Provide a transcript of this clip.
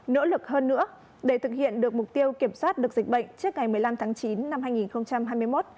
nỗ lực hơn nữa để thực hiện được mục tiêu kiểm soát được dịch bệnh trước ngày một mươi năm tháng chín năm hai nghìn hai mươi một